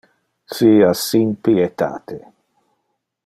Sia sin pietate.